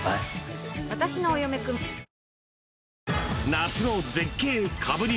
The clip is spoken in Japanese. ［夏の絶景かぶり